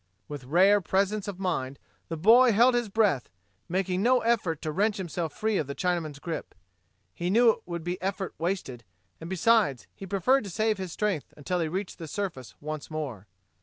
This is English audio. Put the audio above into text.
With rare presence of mind the boy held his breath, making no effort to wrench himself free from the Chinaman's grip. He knew it would be effort wasted, and, besides, he preferred to save his strength until they reached the surface once more.